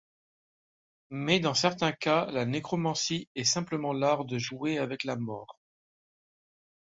Mais dans certains cas, la nécromancie est simplement l'art de jouer avec la Mort.